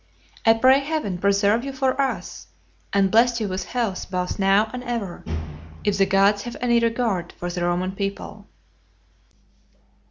I pray heaven preserve you for us, and bless you with health both now and ever, if the gods have any regard for the Roman people."